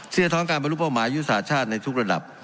เชื่อท้องการบริลุกเป้าหมายอยู่สาธารณ์ชาติในทุกระดับ